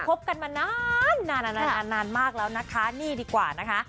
บกันมานานนานมากแล้วนะคะนี่ดีกว่านะคะ